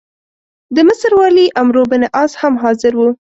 د مصر والي عمروبن عاص هم حاضر وو.